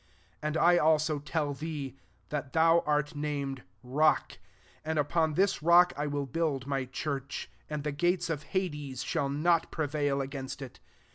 18 And I also tell thee, that thou art named Rock •; and upon this rock I will brrild my church ; and the gates of hades shall not prevail against it.